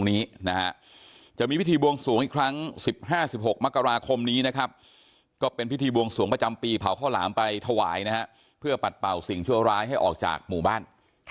วันนี้นะฮะจะมีพิธีบวงสวงอีกครั้ง๑๕๑๖มกราคมนี้นะครับก็เป็นพิธีบวงสวงประจำปีเผาข้าวหลามไปถวายนะฮะเพื่อปัดเป่าสิ่งชั่วร้ายให้ออกจากหมู่บ้าน